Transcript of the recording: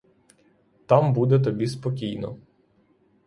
Там буде тобі спокійно.